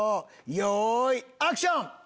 よいアクション！